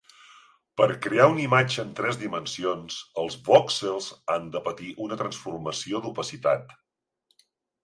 Per crear una imatge en tres dimensions, els vòxels han de patir una transformació d'opacitat.